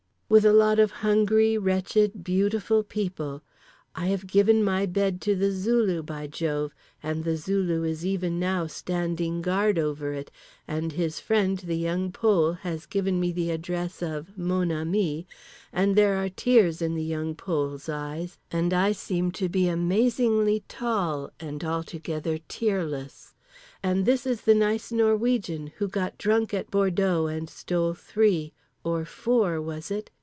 with a lot of hungry wretched beautiful people—I have given my bed to The Zulu, by Jove! and The Zulu is even now standing guard over it, and his friend The Young Pole has given me the address of "mon ami," and there are tears in The Young Pole's eyes, and I seem to be amazingly tall and altogether tearless—and this is the nice Norwegian, who got drunk at Bordeaux and stole three (or four was it?)